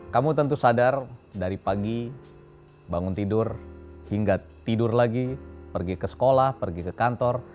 kamu tentu sadar dari pagi bangun tidur hingga tidur lagi pergi ke sekolah pergi ke kantor